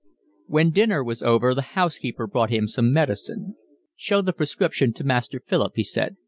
When dinner was over the housekeeper brought him some medicine. "Show the prescription to Master Philip," he said.